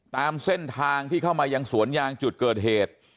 ตามเส้นทางที่เข้ามายังสวนยางจุดเกิดเหตุ